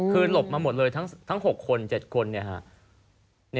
คือหลบมาหมดเลยทั้ง๖คน๗คน